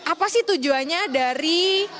apa sih tujuannya dari